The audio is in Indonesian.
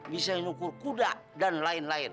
bisa menyukur kuda dan lain lain